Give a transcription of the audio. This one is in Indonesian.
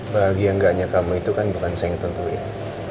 bahagia enggaknya kamu itu kan bukan saya yang tentuin